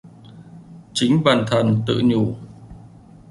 Chính bần thần tự nhủ